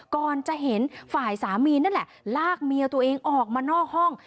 ก่อนจะเห็นฝ่ายสามีนั่นแหละลากเมียตัวเองออกมานอกห้อง